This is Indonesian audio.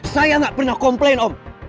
saya nggak pernah komplain om